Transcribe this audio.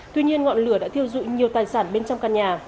tuy nhiên ngọn lửa đã thiêu dụi nhiều tài sản bên trong căn nhà